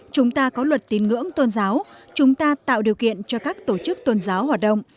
chúng ta có luật tín ngưỡng tôn giáo chúng ta tạo điều kiện cho các tổ chức tôn giáo hoạt động